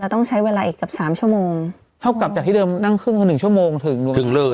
ต้องใช้เวลาอีกเกือบสามชั่วโมงเท่ากับจากที่เดิมนั่งครึ่งคือหนึ่งชั่วโมงถึงรวมถึงเลย